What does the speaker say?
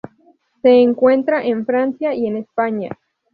Se encuentra en Francia y en España.